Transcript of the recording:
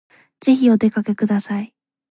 ぜひお出かけください